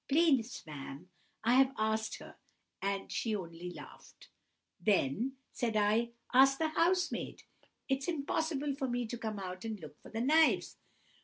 "'Please, ma'am, I have asked her, and she only laughed.' "'Then,' said I, 'ask the housemaid. It's impossible for me to come out and look for the knives.